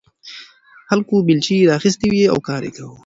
خلکو بیلچې راخیستې وې او کار یې کاوه.